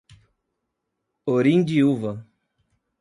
Orindiúva